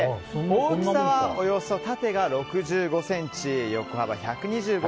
大きさはおよそ縦が６５ｃｍ横幅１２５ｃｍ。